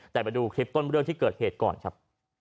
แต่ไปดูคลิปต้นเรื่องที่เกิดเหตุก่อนครับ